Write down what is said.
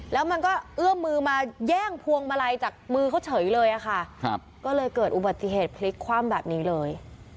แล้วมันก็เอื้อมมือมาแย่งพวงมาลัยจากมือเขาเฉยเลยอะค่ะก็เลยเกิดอุบัติเหตุพลิกคว่ำแบบนี้เลย